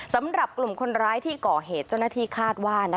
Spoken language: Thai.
สำหรับกลุ่มคนร้ายที่ก่อเหตุเจ้าหน้าที่คาดว่า